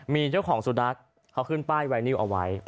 มีเจ้าของสุนัขเขาขึ้นป้ายไวนิวเอาไว้